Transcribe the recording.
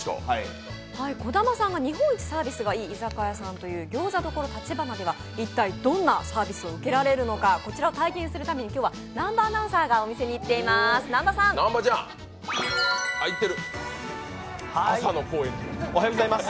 児玉さんが日本一サービスがいい居酒屋さんというこのお店では一体どんなサービスを受けられるのか、こちら体現するために今日は南波アナウンサーがお店に行っていますおはようございます。